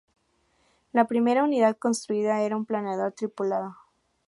La primera unidad construida era un planeador tripulado.